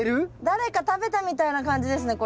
誰か食べたみたいな感じですね